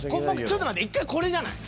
ちょっと待って１回これじゃない？